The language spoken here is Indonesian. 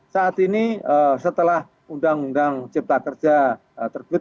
saat ini setelah undang undang cipta kerja terbit